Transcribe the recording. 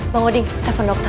bang uding telepon dokter